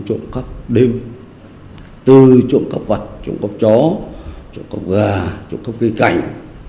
trộm cắp đêm trộm cắp vật trộm cắp chó trộm cắp gà trộm cắp cây cành